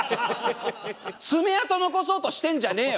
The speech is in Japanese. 爪痕残そうとしてんじゃねえよ